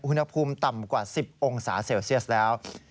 อุณหภูมิต่ำกว่า๑๐องศาเซลเซียสแล้ว